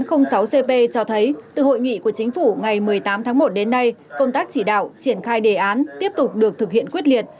đề án sáu cp cho thấy từ hội nghị của chính phủ ngày một mươi tám tháng một đến nay công tác chỉ đạo triển khai đề án tiếp tục được thực hiện quyết liệt